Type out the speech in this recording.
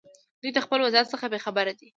دوی د خپل وضعیت څخه بې خبره دي.